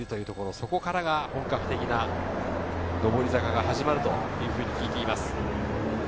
そこからが本格的な上り坂が始まると聞いています。